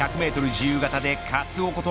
自由形でカツオこと